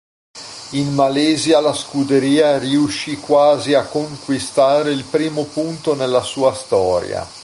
In Malesia la scuderia riuscì quasi a conquistare il primo punto nella sua storia.